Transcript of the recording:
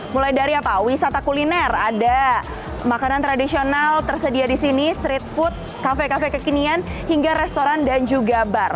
mulai dari wisata kuliner ada makanan tradisional tersedia di sini street food kafe kafe kekinian hingga restoran dan juga bar